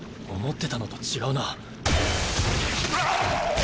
思ってたのと違うな。